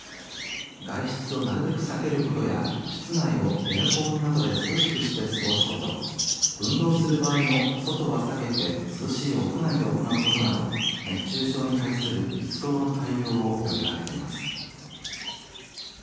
外出をなるべく避けることや室内をエアコンなどで涼しくして過ごすこと運動する場合も外は避けて涼しい屋内で行うことなど熱中症に対する一層の対応を呼びかけています。